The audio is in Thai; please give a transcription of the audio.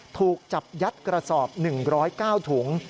ถูกจับยัดกระสอบ๑๐๙ถุง